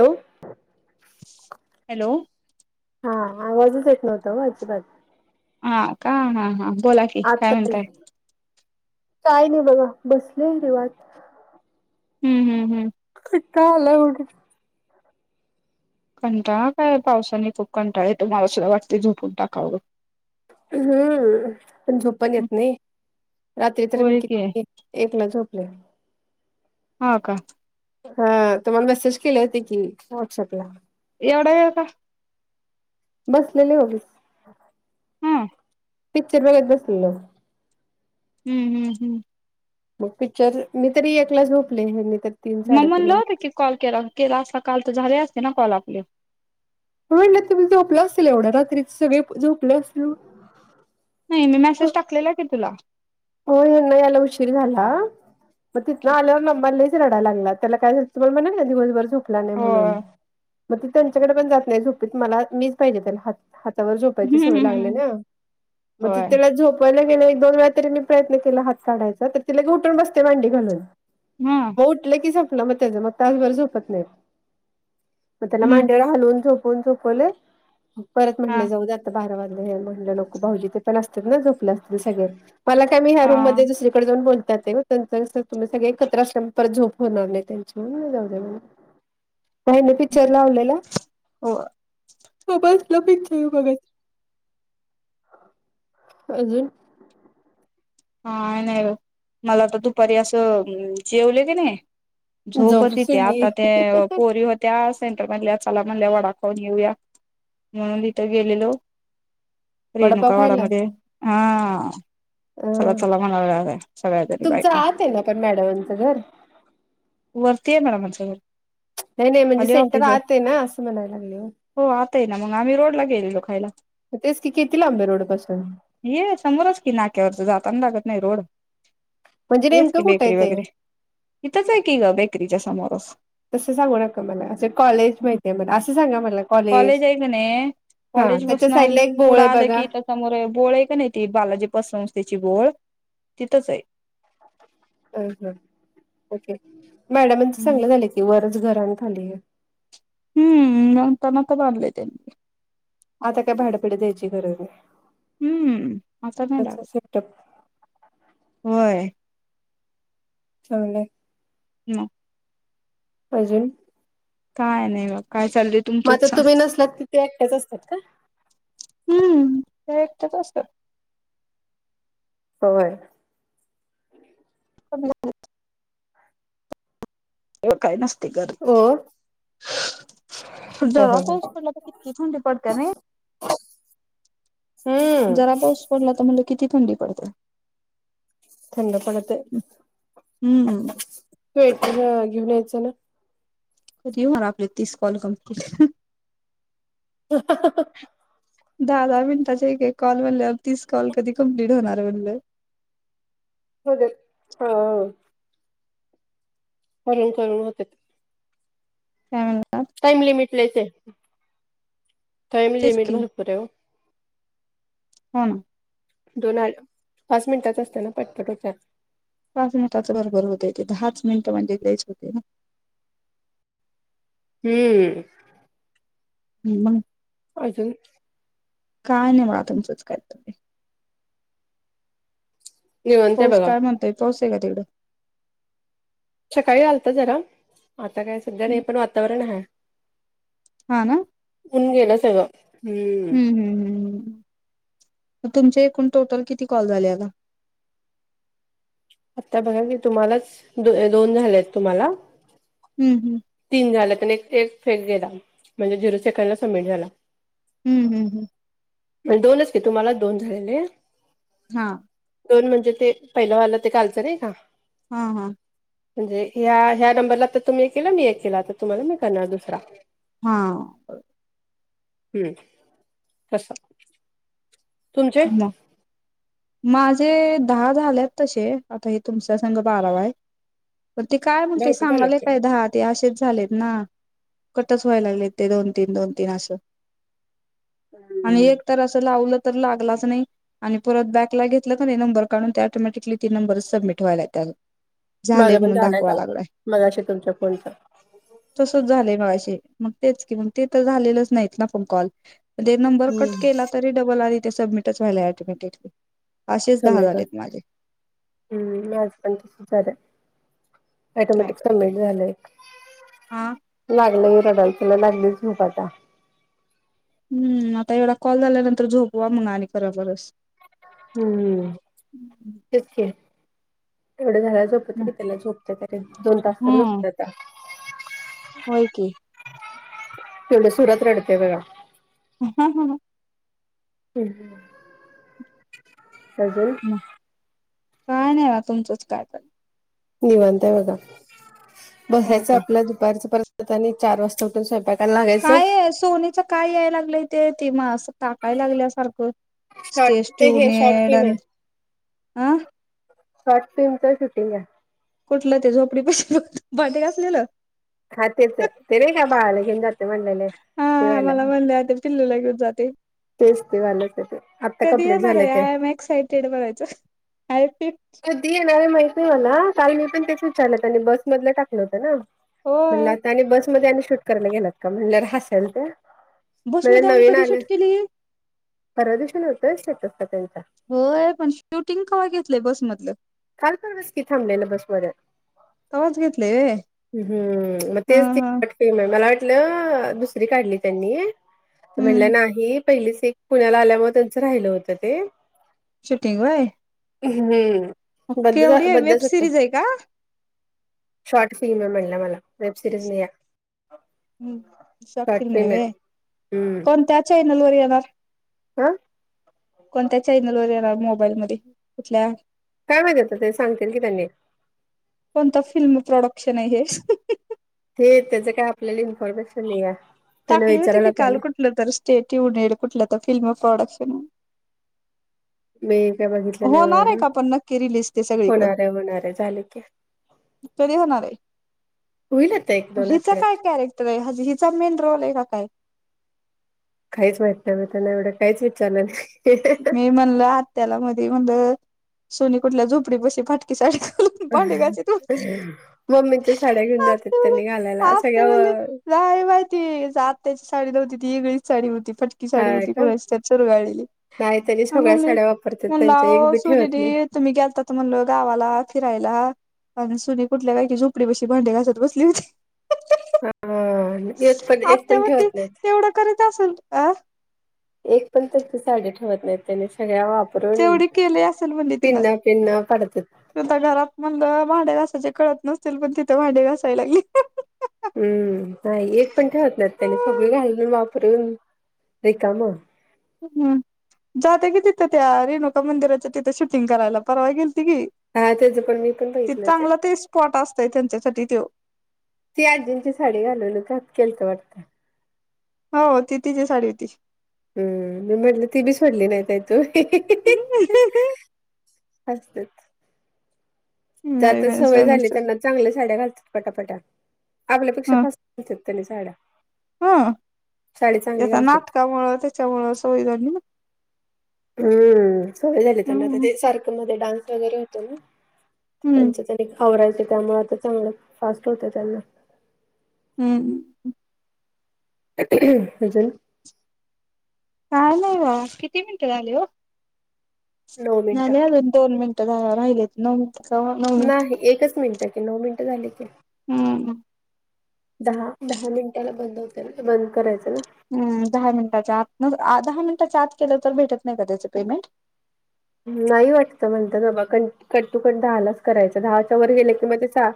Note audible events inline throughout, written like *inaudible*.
Hello *unintelligible* hello हा आवाजच येत नव्हत आजी बात हा का हा हा बोला की काय आता, म्हणताय काय नाही बघा बसले निवांत. हम्म हम्म हम्. का हला गठे *unintelligible* कंटाळा काय पावसाने खूप कंटाळ येतो मावशीला वाटते झोपून टाकावं. हम्म पण झोप पण येत नाही रात्री तर मी होय की किती एक ला झोपले हा का? हा तुम्हाला मेसेज केले होते की व्हॉट्सअपला. एवढा वेळ का? बसलेले उगीच हु. पिक्चर बघत बसलेलो. हम्म हम्म हम्म. मग पिक्चर मी तरी एकला झोपले आहे मी तर तीन म साडेतीनला लावते की कॉल केला केला असला काल तर झाले असते ना कॉल आपले म्हणलं तुम्ही झोपलं असेल एवढा रात्री झोपलं असल नाही मी मेसेज टाकलेला आहे की तुला हो नाही याला उशीर झाला मग तिथन आल्यावर म म रडाला लागला त्याला काय तुम्हाला म्हणाल दिवसभर झकला नाही म्हणून होय मग ती त्यांच्याकडे पण जात नाही झोपीत मला मीच पाहिजे त्याला हात हातावर झोपायची हम्म सोय हम्म लागली ना मग त होय त्याला झोपायला गेले दोन वेळा तरी मी प्रयत्न केला हात काढाचा तर तिला के उठून बसते मांडी घालून हम्म उठले की झोपलं मग त्याच मग तास भर झोपत नाई मग त्याला हम्म मांडीवर हालवून झोप फ झोपवले परत हा म्हटले जाऊ द आता बारा वाजले म्हट लोक ी पण झो अस म हा *unintelligible* कडे जाऊन बोलतात ते त्यां तुम्ही सगळे एकत्र असल्या परत झोप होणार नाही त्यांची जाऊ महीने पिकच्चर लावलेला हो हो बच लप इच्छा बघाच अजून हा नाही मला तर दुपारी असं जेवले की नाही झो बधी झोपसुनी तेता ते पोर त्या सेंटर मधल्या चला म्हणल्या वडाखाऊन येऊया म्हणून इिथं गेलेलो वडापाव खायला रेणुकावाडामध्ये हा अ चला चला म्हणाला ला आहे सगळ्यातरी तुमचं बायका आत आहे ना पण मॅडमांचं घर *unintelligible* वरतीय मॅडम आमच्या घर *inaudible* नाही- नाही म्हणजे खाली सेंटर ऑफिस आत आहे ना असं म्हणायला लागले‌ ओ हो आता आहे ना मग आम्ही रोडला गेलेलो खायला तेच की किती लांबय रोडपासून? ये समोरच की नाक्यावरच जाताना लागत नाही रोड म्हणजे हेच नेमकं की कुठे आहे बेकरी ते वगैरे इथंच आहे की ग बेकरीच्या समोरच तसं सांगू नका मला असे कॉलेज माहिती म असं सांगा मला कॉलेज आहेऐ का नाही हा कॉलेज त्याच्या बसन साईडला एक बोळ पुढं आहे आलं बघा की समोर बोळ आहे का नाही ती बालाजी पसरवस त्याची बोळ तिथंच आहे अ हा ओके मॅडमांच आहे चांगलं झालं की वरच घरन खाली हम्म न त मत बनलेेते आता काय भाडंपिडे द्यायची गरज आहे हम्म आता नाही लागत. त्याट होय चचाले म अजे काय नाही बाघ काय चाल माझा तुम्ही नसलात तर ते एकट्याच असतात का हम्म ते एक तरच असतं होय क *unintelligible* *unintelligible* तेव काही नसते घरी हो ह जरा ह पाऊस पडला तर किती थंडी पडत्या नाय *inaudible* हम्म जरा पाऊस पडला तर मला किती थंडी पडते थंड पडत आहे हम्म *inaudible* स्वेटर घेऊन यायचं ना कधी होणार आपले तीस कॉल कम्प्लीट ह *inaudible* दहा -दहा मिनिटाचा एक कॉल म्हटल्यावर तीस कॉल कधी कम्प्लीट होणार म्हणलं होऊ देत हो करून करून होतत *unintelligible* त्या टाइम लिमिट लयचय टाईम तेच लिमिट की भरपूर आहे‌ ओ हो ना *inaudible* दोन पाच मिनिटाच असत ना पटपट होतंय पाच मिनिटाचं बरोबर होते ते दहाच मिनिट म्हणजे लयच होतय ना हम्म हम् मग अजून काय नाही बघा तुमचंच काय *inaudible* तुम्ही निवांत आहे पाऊस बघा काय म्हणतोय पाऊस आहे का तिकडं? सकाळी आलता जरा आता काय सध्या नाही पण वातावरण आहे हा ना ऊन‌ गेल सगळं हम्म ह् ह् तुमचे एकूण टोटल किती कॉल झाले आता आता बघा की तुम्हालाच द *inaudible* दोन झालेत तुम्हाला हम्म हम् तीन झालेत आणि एक फेक गेला म्हणजे झिरो सेकंडला सबमिट झाला. हम् हम्म हम माझे दोनच की तुम्हालाच दोन झालेले *inaudible* हा दोन म्हणजे ते पहिलं वाला ते कालचं नाही का हा- हा म्हणजे ह्या- ह्या नंबरला तर तुम्ही केला मी एक केला तर तुम्हाला मी करणार दुसरा हा हम्म कस ना *unintelligible* माझे दहा झालेत तसे आता हे तुमच्या संघ बारावा आहे पण ते काय म्हणतंय भरपूर झाले सांगालय की काय दहा ते असेच झालेत ना कटच व्हायला लागले ते दोन- तीन दोन- तीन असं आणि हम्म एक तर असं लावलं तर लागलाच नाही आणि परत बॅकला घेतलं का ते नंबर काढून ते ऑटोमॅटिकली ती नंबर सबमिट व्हायला त्यात माझं पण झालंय का मगाशी तुमच्या फोनच तसच झालंय मगाशी मग तेच की मग ते तर झालेलंच नाहीत ना पण कॉल मध्ये नंबर हम्म. कट केला तरी डबल *inaudible* आधी ते सबमिटच व्हालाय अटोमॅटिकली असेच दहा सबमिट झालेत माझे हम्म माज पण त सुद् झालं काय ऑटोमॅटिक कर समिट झालंय हा लागलं ह रडाल तुला लागलीच झूपाट हम्म आता एवढा कॉल झाल्यानंतर झोपवा मग आणि खराबरच हम्म तेचक एवढं झाला झोपत की त्याला झोपत त दोन तास तरी होत आ हो क एवढ सुरत रडते वेळा ह ह ह ह् सजल काय नाही ना तुमचंच काय कर निवांताय बघा हो बसायचं का आपला दुपारच परत आणि चार वाजता तो पर्यंत स्वयंपाकाला लागायचं. त्या सोनीच्यात. काय याय लागलंय ते ते -म असं टाकाय लागल्या सारखं? शॉर्ट ते हे शॉर्ट स्टेसट्युनडं फिल्म अन आहे अह साठ टीमचं शुटिंग हाय. कुठलं ते झोपडी पशी भांडी घासलेलं? हा तेच हायतं ते नाय का बाळाला घेऊन जाते म्हणलेलेत. हा हा मला म्हणलेले पिल्लूला घेऊन जाते. तेच ते वालंच ते आत्ता कधी कंप्लीट येणार झालंय आहे, ते आय एम एक्सायटेड बघायचं? *unintelligible* ती येणारे माहित नाही, मला काल मी पण तेच विचारलं त्यांनी बस मधलं टाकलं होतं ना? हो. म्हणलं आता आणि बस मध्ये आणि शूट करायला, गेलात का म्हणल्यावर हसालतं. म्हणजे बसमध्ये आणि नवीन कधी आलं शूट केली परवा दिवशी नव्हता होय स्टेटसला त्यांचा. होय, पण शूटिंग कव्हा घेतलंय बस मधलं. काल परवाच की थांबलेलं बस मध्ये तवाच घेतलंय व्हय ह हम्म त हा तेच ते हा ते मला वाटलं दुसरी काढली, त्यांनी ते हम्म म्हटलं नाहीत. पहिलीच एक पुण्याला आल्यामुळे त्यांच राहिलं होतं ते शुटिंग व्हय. हम्म बंद झा केवढी आहे बंद वेब *unintelligible* सिरीज आहे का शॉर्ट फिल्म म्हणलं मला वेब सिरीज नाही या. हम शॉट फील्म आहे होय, हम्म कोणत्या चायनल वर येणार? अह कोणत्या चॅनल वर येणार मोबाईल मध्ये कुठल्या? काय माहितीेतं ते सांगतील की त्यांनी. कोणता फिल्म प्रोडक्शन आहे हे? हे त्याच काय आपल्याला इन्फॉर्मेशन नाहीत, या त्यांना टाकली होती विचारायला की काल पाहिजे. कुठलं तर स्टेट येऊन येईल कुठलं तर फिल्म प्रोडक्शन्स? मी काय बघितलं नाही होणार आहे एवढं का, पण नक्की रिलीस ते सगळीकडं? होणार आहे होणार आहे झाले की कधी होणार आहे, होईल आता एक दोन हिच काय आठवड्यात कैरेक्ट हिचा मेन रोल आहे का काय? काहीच माहित नाही, मी त्यांना एवढं काहीच विचारलं नाही. मी म्हणलं, आत्याला मधी म्हणलं सोनी कुठल्या झोपडीपशी फटकी साडी घालून भांडे घासत होती मम्मीच्या साड्या घेऊन जातात त्यांनी घालायला सगळ्या नाहीय माहिती आत्याची साडी नव्हती, ती वेगळीच साडी होती फट ती साडी हा होती का कुणाची त्यात चुरगाळलेली. नाही तरी सगळ्या म्हणले साड्या वापरत्यात म्हणला त्यांच्या एक अहो बी सु ठेवत नाही. दिदी तुम्ही गेलतात, म्हणलं गावाला फिरायला. आणि सुनी कुठल्या, काय की झोपडी पशी भांडे घासत बसली होती. हा एक पण एक आत्ता पण व ते ठेवत नाही तेवढं करीत असेल अ एक पण त्यांची साडी ठेवत नाही त्यानी सगळ्या वाप तेवढी केली *unintelligible* काढत्यात. तिथं घरात म्हणलं भांडे घासायचे कळत नसतील, पण तिथे भांडे घासाय लागली. हम्म! नाही एक पण ठेवत नाही त्याने सगळे घालून वापरून रिकाम. हम जात्या कि तिथं त्या रेणुका मंदिराच्या तिथे शूटिंग करायला परवा गेलती की. हा त्याचं पण मी पण ते बघितलं चांगलं ते स्पॉट असतयं त्यांच्यासाठी त्यो. ती आजींची साडी घालून *unintelligible* केलतं वाटतं. हो, ती तिची साडी होती. हम्म! मी म्हटले ती बी सोडली नाही काय तू? अच. ते आता नळीवेल सवय झाली सोनीच त्यांना चांगल्या झाड्या घालतात पटापटा आपल्यापेक्षा फस त्यानी झाड्या हं त्याचा घालतात. नाटकामुं त्याच्यामुं सवय झाली ना. हम्म सवय झाली त्यांना आ हम्म ते सारखं मध्ये डान्स वगैरे होतो ना. तर हम्म त्यांच्या त्यां आवरायचे त्यामुळे आता चांगलं फास्ट होत त्यांना हम्मम. म्हजल. काा ना वा किती मिनटं झाले हो. नऊ मिनिटं न अून दोन मिनट आरहिलेेत न का? नाही एकच मिनिट की नऊ मिनिटं झाली की हम्मम. दहा दहा मिनिट्याला बंद होते बंद करायचं ना. ह दहा मिनिटाच्या आत दहा मिनिटाच्या आत केलं तर भेटत नाही का त्याच पेमेंट नाही वाटत म्हणत ना बा क कट टू कट दहा लाच करायचं दहाच्या वर गेलं कि म ते सहा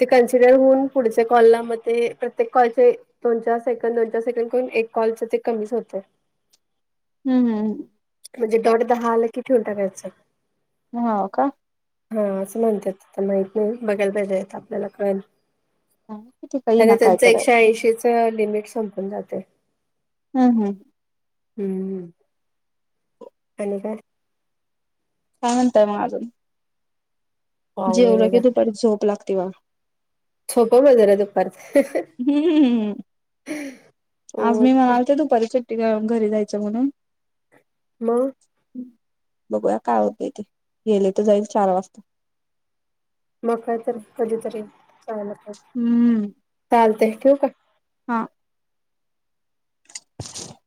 ते कन्सिडर होऊन पुढच्या कॉलला म ते प्रत्येक कॉलचे दोन चार सेकंड दोनच्यार सेकंड करून एक कॉलचे ते कमीच होते. हम् हम्. म्हणजे डॉट दहा आला कि ठेऊन टाकायचं. हो का. हा असं म्हणतय आता माहत नाही बघायला बहिजे येत आपल्याला कळ. किती काही त्या ना काय त्यांच तर एकशे ऐंशीच लिमिट संपून जाते. हम् हम्. हम्म आणि काय? काय म्हणताय मग अजून काय नाही जेवलं बघा की दुपारी झोप लागते वा. सोप मजर दुपार ते हम्. आज मी ओके म्हणाल ते दुपारी सुट्टी घरी जायचं म्हणून मग बघूया काय होतं इथे गेले तर जाईल चार वाजता. मघ काहीतरी कधीतरी चागलं का हम्म चालते ठेव का? हा. *unintelligible*